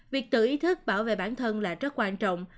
việc tự ý thức bảo vệ bản thân là rất quan trọng